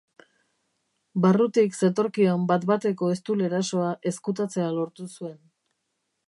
Barrutik zetorkion bat-bateko eztul erasoa ezkutatzea lortu zuen.